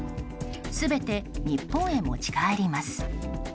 全て日本へ持ち帰ります。